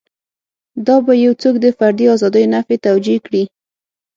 دا به یو څوک د فردي ازادیو نفي توجیه کړي.